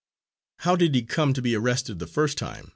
"How did he come to be arrested the first time?"